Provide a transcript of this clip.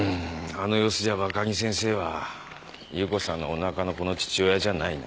あの様子じゃ若木先生は夕子さんのおなかの子の父親じゃないな。